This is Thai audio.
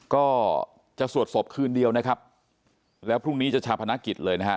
ก็จะสวดศพคืนเดียวนะครับแล้วพรุ่งนี้จะชาพนักกิจเลยนะฮะ